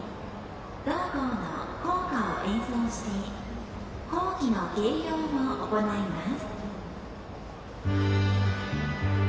同校の校歌を演奏して校旗の掲揚を行います。